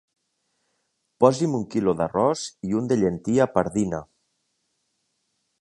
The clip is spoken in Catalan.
Posi'm un quilo d'arròs i un de llentia pardina.